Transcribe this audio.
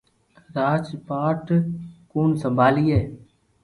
راج پاٺ ڪوڻ سمڀالئي